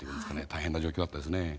大変な状況だったんですね。